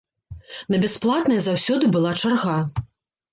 На бясплатнае заўсёды была чарга.